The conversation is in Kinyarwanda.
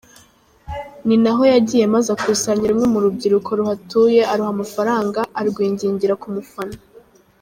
Ni naho yagiye maze akusanya rumwe mu rubyiruko ruhatuye aruha amafaranga, arwingingira kumufana.